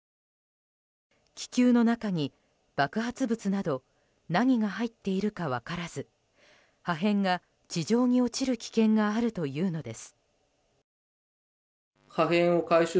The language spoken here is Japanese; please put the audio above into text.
気球の中に爆発物など何が入っているか分からず破片が地上に落ちる危険があるというのです。